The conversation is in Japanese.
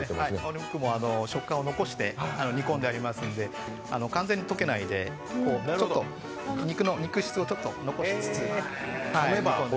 お肉も食感を残して煮込んでますんで完全に溶けないでちょっと肉質を残しつつ。